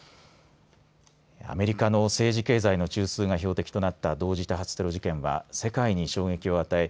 アメリカの政治経済の中枢が標的となった同時多発テロ事件は世界に衝撃を与え